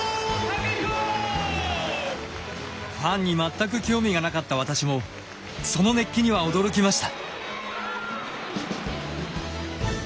ファンに全く興味がなかった私もその熱気には驚きました。